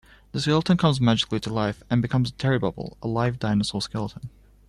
The skeleton comes magically to life and becomes Terrybubble, a live dinosaur skeleton.